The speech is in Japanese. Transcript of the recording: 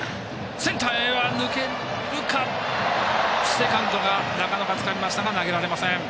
セカンドがつかみましたが投げられません。